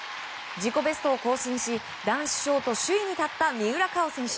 自己ベストを更新し男子ショート首位に立った三浦佳生選手。